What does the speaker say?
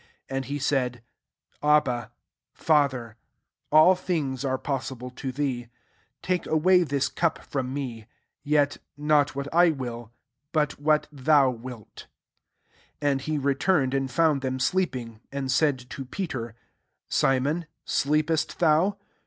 36 And he sfdd, << Abba, (Father,) sJl things are possible to thee; take away this cup from me : yet not what I will, but what thou wiltP S7 And he return ed and found them sleeping, and said to Peter, <* Simon, sleepest thou